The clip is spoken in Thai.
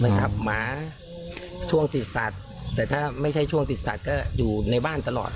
หมาช่วงติดสัตว์แต่ถ้าไม่ใช่ช่วงติดสัตว์ก็อยู่ในบ้านตลอด